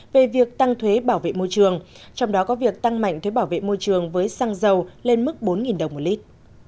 về việc tăng thuế bảo vệ môi trường trong đó có việc tăng mạnh thuế bảo vệ môi trường với xăng dầu lên mức bốn đồng một lít